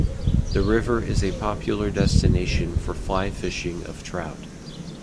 The river is a popular destination for fly fishing of trout.